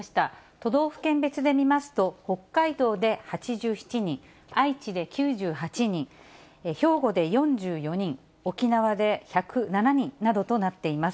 都道府県別で見ますと、北海道で８７人、愛知で９８人、兵庫で４４人、沖縄で１０７人などとなっています。